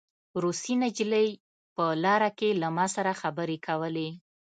روسۍ نجلۍ په لاره کې له ما سره خبرې کولې